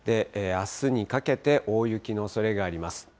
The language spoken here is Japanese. あすにかけて、大雪のおそれがあります。